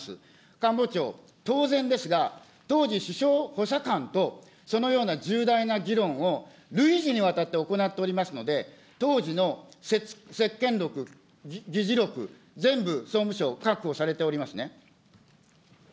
官房長、当然ですが、当時、首相補佐官とそのような重大な議論を累次にわたって行っておりますので、当時の接見録、議事録、全部総務省、確保されておりますね。